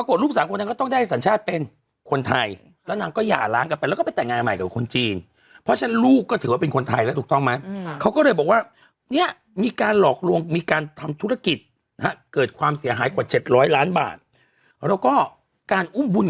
คุณกลัวด้วยเหรออ่าฉันไม่ใช่เธอเดี๋ยวนี้พี่จะมีลุง